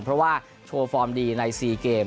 เพราะว่าโชว์ฟอร์มดีใน๔เกม